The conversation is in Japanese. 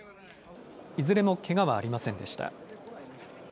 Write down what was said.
いずれもけがはありませんでした。